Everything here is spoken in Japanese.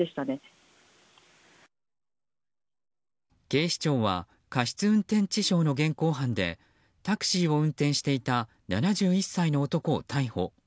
警視庁は過失運転致傷の現行犯でタクシーを運転していた７１歳の男を逮捕。